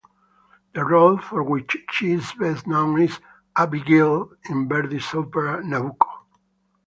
The role for which she is best known is Abigaille in Verdi's opera "Nabucco".